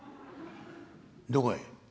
「どこへ？」。